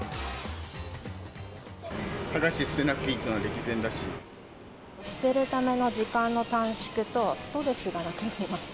剥がして捨てなくていいって捨てるための時間の短縮と、ストレスがなくなります。